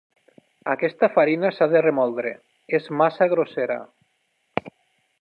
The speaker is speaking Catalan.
Aquesta farina s'ha de remoldre: és massa grossera.